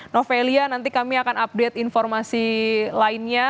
novelia nanti kami akan update informasi lainnya